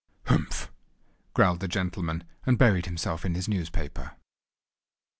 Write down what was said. "Humph," growled the gentleman, and buried himself in his newspaper.